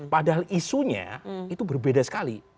padahal isunya itu berbeda sekali